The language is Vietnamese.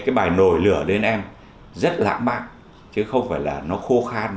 hay bài nổi lửa đến em rất lãng mạn chứ không phải là nó khô khan